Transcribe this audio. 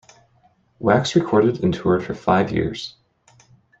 Wax recorded and toured for five years.